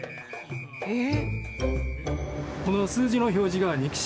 えっ！